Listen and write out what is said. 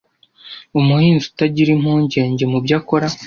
umuhinzi utagira impungenge mubyo akora